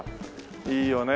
いいよね。